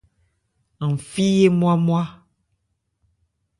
An fí yé nmwá-nmwá.